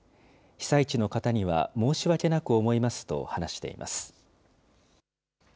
被災地の方には申し訳なく思いますと話しています。